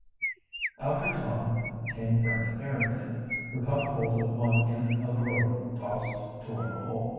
After Tom came Frank Harrington, who caught hold of one end of a rope tossed toward the hole.